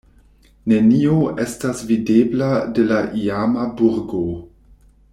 Nenio estas videbla de la iama burgo.